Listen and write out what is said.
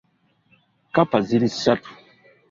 Kkapa ziri ssatu .